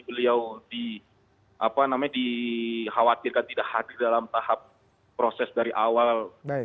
beliau dikhawatirkan tidak hadir dalam tahap proses dari awal